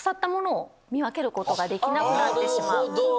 なるほど！